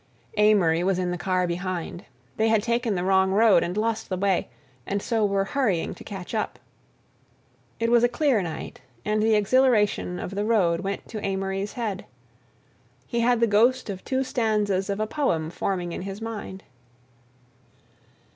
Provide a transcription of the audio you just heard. Amory was in the car behind; they had taken the wrong road and lost the way, and so were hurrying to catch up. It was a clear night and the exhilaration of the road went to Amory's head. He had the ghost of two stanzas of a poem forming in his mind.